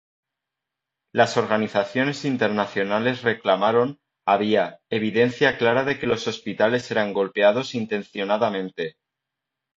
Las organizaciones internacionales reclamaron había "evidencia clara de que los hospitales eran golpeados intencionadamente".